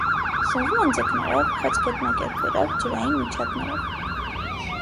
Սնվում են ձկներով, խեցգետնակերպերով, ջրային միջատներով։